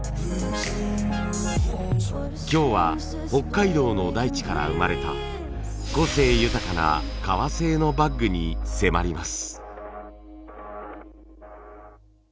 今日は北海道の大地から生まれた個性豊かな革製のバッグに迫ります。